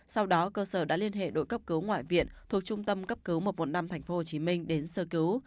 sau đó cơ sở đã liên hệ đội cấp cứu ngoại viện thuộc trung tâm cấp cứu một trăm một mươi năm tp hcm đến sơ cứu